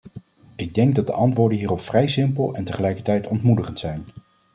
Ik denk dat de antwoorden hierop vrij simpel en tegelijkertijd ontmoedigend zijn.